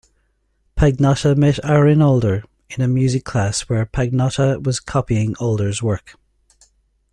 Pagnotta met Airin Older in a music class where Pagnotta was copying Older's work.